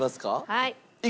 はい。